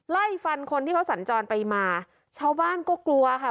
ไล่ฟันคนที่เขาสัญจรไปมาชาวบ้านก็กลัวค่ะ